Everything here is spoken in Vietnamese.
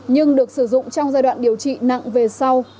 nhưng được sử dụng trong giai đoạn điều trị nặng về sau